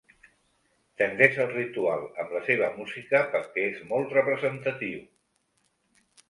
Tendeix al ritual amb la seva música perquè és molt representatiu.